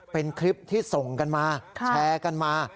เป็นคลิปที่ส่งกันมาแชร์กันมา